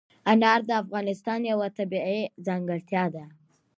انار د افغانستان یوه طبیعي ځانګړتیا ده.